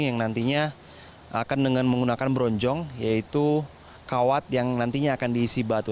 yang nantinya akan dengan menggunakan bronjong yaitu kawat yang nantinya akan diisi batu